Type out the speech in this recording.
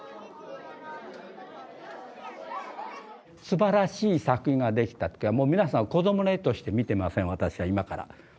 すばらしい作品ができた時は皆さん子供の絵として見てません私は今から。